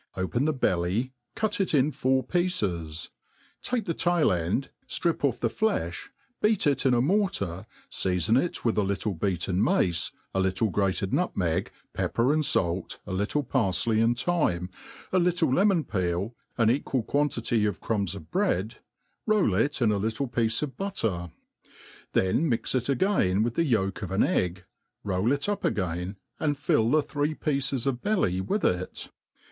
.Open the beUy, cut it in four pieces ; take the tail dnd, flrip oS ihe lefli, beat ft in a mortar, feafon it with a little beaten roace, ai Uttk grated nvtmeg, pepper and fait, a little parfley and thyme^ a ihde km'on peef, an equal .quantity of crumbs of breads roil it in a litde piece of butte^; then mix it again with tho y<4k cf an egg, roll it «p again, and fill the three pieces of bdty with it.